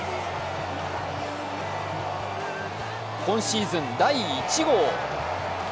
今シーズン第１号。